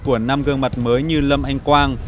của năm gương mặt mới như lâm anh quang